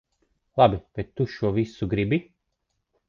Labi, bet tu šo visu gribi?